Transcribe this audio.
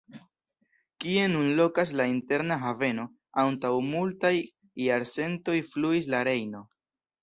Kie nun lokas la Interna Haveno, antaŭ multaj jarcentoj fluis la Rejno.